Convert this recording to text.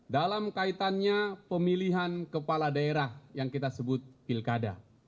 dalam kaitannya pemilihan kepala daerah yang kita sebut pilkada